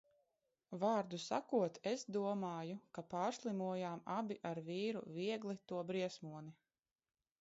Vārdu sakot, es domāju, ka pārslimojām abi ar vīru viegli to briesmoni.